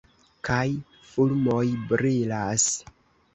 Kaj fulmoj brilas!